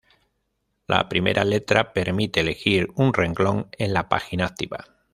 La primera letra permite elegir un renglón en la página activa.